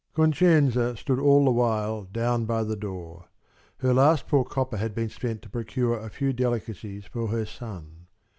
Concenza stood all the while down by the door. Her last poor copper had been spent to procure a few delicacies for her son.